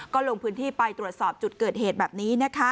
ก็ลงพื้นที่ไปตรวจสอบจุดเกิดเหตุแบบนี้นะคะ